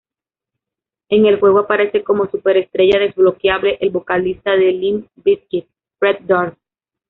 En el juego aparece como superestrella desbloqueable el vocalista de Limp Bizkit, Fred Durst.